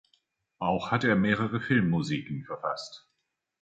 Auch hat er mehrere Filmmusiken verfasst.